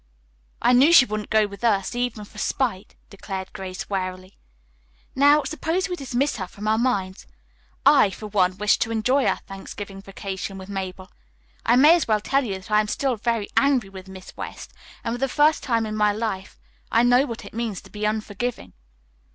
"I knew she wouldn't go with us even for spite," declared Grace wearily. "Now, suppose we dismiss her from our minds. I, for one, wish to enjoy our Thanksgiving vacation with Mabel. I may as well tell you that I am still very angry with Miss West, and for the first time in my life I know what it means to be unforgiving."